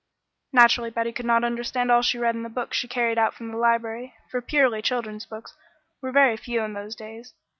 Naturally Betty could not understand all she read in the books she carried out from the library, for purely children's books were very few in those days.